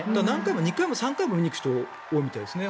２回も３回も見に行く人が多いみたいですね